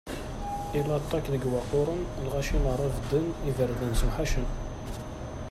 I laṭak deg waqquren, lɣaci merra bedden, iberdan sewḥacen.